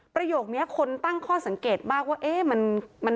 ประโยคนี้คนตั้งข้อสังเกตมากว่าเอ๊ะ